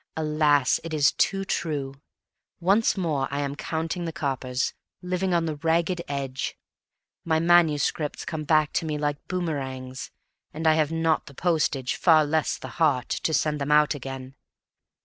Alas! it is too true. Once more I am counting the coppers, living on the ragged edge. My manuscripts come back to me like boomerangs, and I have not the postage, far less the heart, to send them out again.